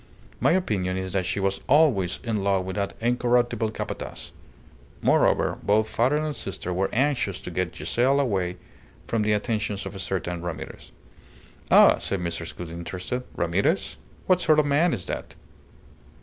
My opinion is that she was always in love with that incorruptible Capataz. Moreover, both father and sister were anxious to get Giselle away from the attentions of a certain Ramirez." "Ah!" said Mrs. Gould, interested. "Ramirez? What sort of man is that?"